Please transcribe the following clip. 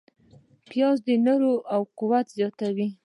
پیاز د نارینه و قوت زیاتوي